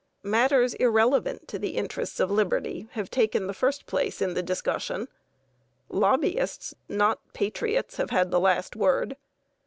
Matters irrelevant to the interests of liberty have taken the first place in the discussion; lobbyists, not patriots, have had the last word.